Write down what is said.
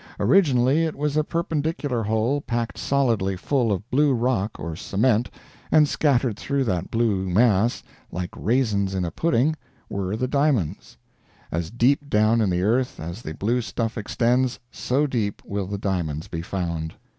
Originally, it was a perpendicular hole packed solidly full of blue rock or cement, and scattered through that blue mass, like raisins in a pudding, were the diamonds. As deep down in the earth as the blue stuff extends, so deep will the diamonds be found.